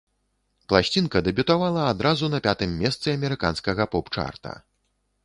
Пласцінка дэбютавала адразу на пятым месцы амерыканскага поп-чарта.